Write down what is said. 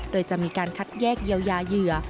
โดยจะมีการคัดแยกเยียวยาเหยื่อ